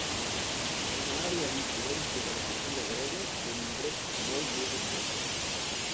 En l'àrea d'influència de la cultura grega i en indrets molt més exòtics.